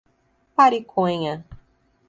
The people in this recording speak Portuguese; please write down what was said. Pariconha